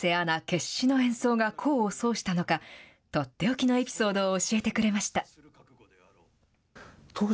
決死の演奏が功を奏したのか、取って置きのエピソードを教えてくれました。